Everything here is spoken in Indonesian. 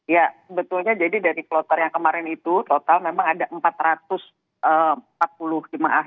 ya sebetulnya jadi dari kloter yang kemarin itu total memang ada empat ratus empat puluh jemaah